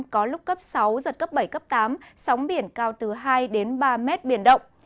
có lúc cấp sáu giật cấp bảy cấp tám sóng biển cao từ hai đến ba mét biển động